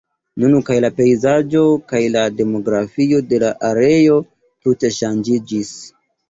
Nun kaj la pejzaĝo kaj la demografio de la areo tute ŝanĝiĝis.